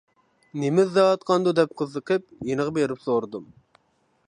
نېمە ئىزدەۋاتقاندۇ دەپ قىزىقىپ، يېنىغا بېرىپ سورىدىم.